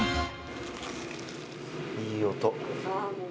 いい音。